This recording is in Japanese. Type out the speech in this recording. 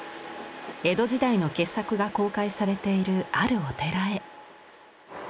江戸時代の傑作が公開されているあるお寺へ。